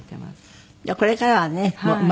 じゃあこれからはね前に前進。